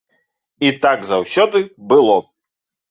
І так заўсёды было.